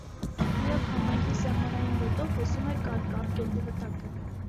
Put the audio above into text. Ռև համայնքի սահմանային գոտով հոսում է Կարկառ գետի վտակը։